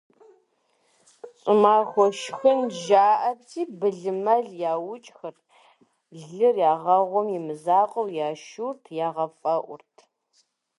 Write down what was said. ЩӀымахуэ шхын жаӀэрти, былым, мэл яукӀхэрт, лыр ягъэгъум и мызакъуэу, яшурт, ягъэфӀэӀурт.